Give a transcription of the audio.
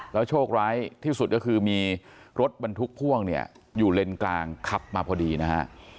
โชคร้ายที่สุดก็คือมีรถบรรทุกพ่วงเนี่ยอยู่เลนกลางขับมาพอดีนะฮะ